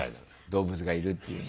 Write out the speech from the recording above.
動物がいるっていう。